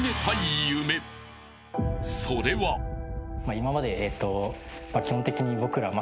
今まで。